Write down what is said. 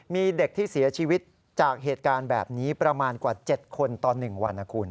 มีเด็กที่เสียชีวิตจากเหตุการณ์แบบนี้ประมาณกว่า๗คนต่อ๑วันนะคุณ